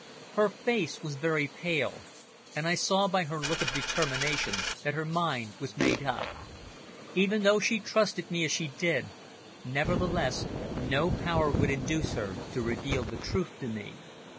Her face was very pale, and I saw by her look of determination that her mind was made up; even though she trusted me as she did, nevertheless no power would induce her to reveal the truth to me.